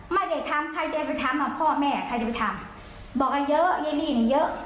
ไม่ได้ทำใครจะไปทำพ่อแม่ใครจะไปทำบอกว่าเยอะเรียนเรียนเยอะ